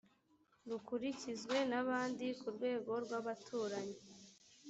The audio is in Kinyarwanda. rukurikizwe n abandi ku rwego rw abaturanyi